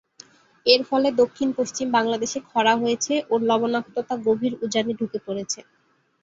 এর ফলে দক্ষিণ পশ্চিম বাংলাদেশে ক্ষরা হয়েছে ও লবনাক্ততা গভীর উজানে ঢুকে পড়েছে।